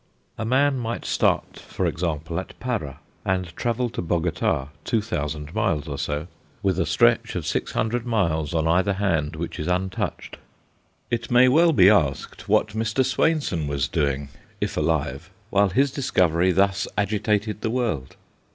A man might start, for example, at Para, and travel to Bogota, two thousand miles or so, with a stretch of six hundred miles on either hand which is untouched. It may well be asked what Mr. Swainson was doing, if alive, while his discovery thus agitated the world.